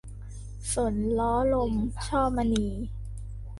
สนล้อลม - ช่อมณี